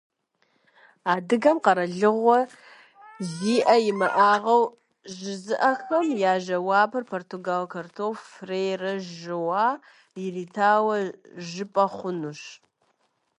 Адыгэм къэралыгъуэ зэи имыӏауэ жызыӏэхэм я жэуапыр португал картограф Фрейре Жоау иритауэ жыпӏэ хъунущ.